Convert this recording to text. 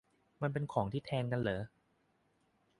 มันเป็นของที่แทนกันเหรอ ?